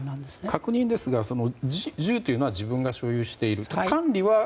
確認ですが、銃というのは自分が所有している。